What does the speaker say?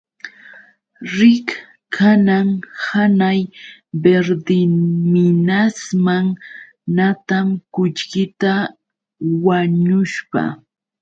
Riq kanan hanay Verdeminasman natam qullqita wanushpa.